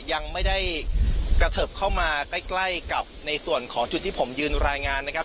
ยังไม่ได้กระเทิบเข้ามาใกล้กับในส่วนของจุดที่ผมยืนรายงานนะครับ